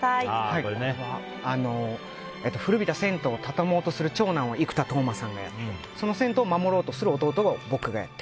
これは、古びた銭湯を畳もうとする長男を生田斗真さんがやってその銭湯を守ろうとする弟を僕がやって。